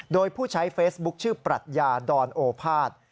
โดยผู้ใช้เฟซบุ๊คชื่อปรัชญาดอนโอภาษย์